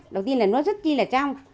đầu tiên là nó rất chi là trong